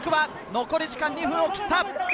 残り時間２分を切った。